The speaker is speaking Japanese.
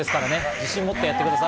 自信をもってやってください。